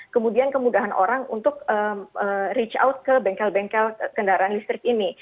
kemudian kemudahan orang untuk reach out ke bengkel bengkel kendaraan listrik ini